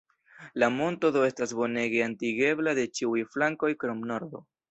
La monto do estas bonege atingebla de ĉiuj flankoj krom nordo.